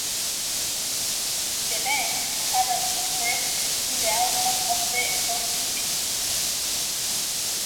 The bank had an interest in the outcome of the proceedings.